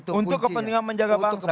untuk kepentingan menjaga bangsa